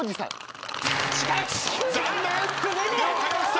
残念！